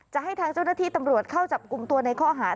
จะให้ทางเจ้าหน้าที่ตำรวจเข้าจับกลุ่มตัวในข้อหาร